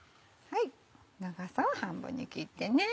長さは半分に切ってね。